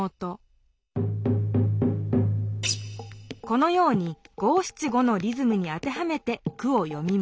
このように「五・七・五」のリズムに当てはめて句をよみます。